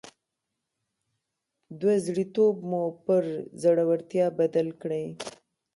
دوه زړي توب مو پر زړورتيا بدل کړئ.